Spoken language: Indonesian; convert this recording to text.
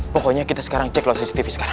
pokoknya kita sekarang cek loh cctv sekarang